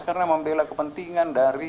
karena membela kepentingan dari